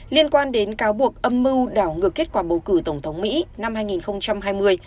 liên quan đến cáo buộc âm mưu đảo ngược kết quả bầu cử tổng thống mỹ năm hai nghìn hai mươi